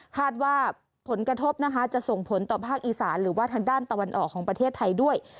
คาดว่าผลกระทบนะคะจะส่งผลต่อภาคอีสานหรือว่าทางด้านตะวันออกของประเทศไทยด้วย